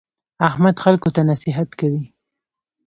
احمد خلکو ته نصیحت کوي.